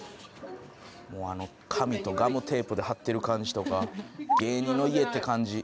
もうあの紙とガムテープで貼ってる感じとか芸人の家って感じ。